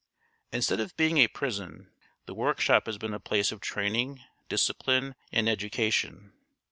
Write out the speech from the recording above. Instead of being a prison, the workshop has been a place of training, discipline, and education.